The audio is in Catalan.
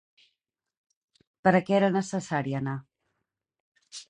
Per a què era necessari anar?